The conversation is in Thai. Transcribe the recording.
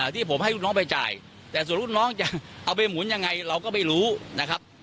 ที่ผมให้ลูกน้องไปจ่ายแต่ส่วนรุ่นน้องจะเอาไปหมุนยังไงเราก็ไม่รู้นะครับ